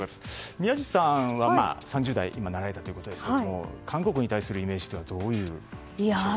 宮司さんは今、３０代になられたということですが韓国に対するイメージはどういう印象でしょうか。